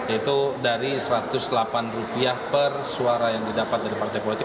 itu dari rp satu ratus delapan per suara yang didapat dari partai politik